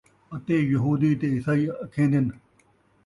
اَتے یہودی تے عیسائی اَکھیندن،